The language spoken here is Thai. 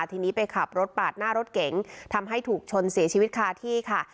ทีนี้ไปขับรถปาดหน้ารถเก๋งทำให้ถูกชนเสียชีวิตคาที่ค่ะ